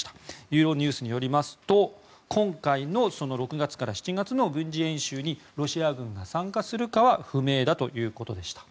ユーロニュースによりますと今回の６月から７月の軍事演習にロシア軍が参加するかは不明だということでした。